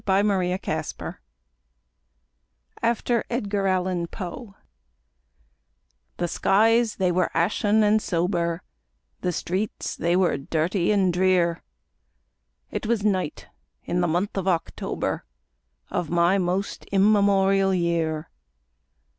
THE WILLOWS (AFTER EDGAR ALLAN POE) The skies they were ashen and sober, The streets they were dirty and drear; It was night in the month of October, Of my most immemorial year.